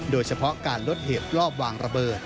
โดยเฉพาะการลดเหตุรอบวางระเบิด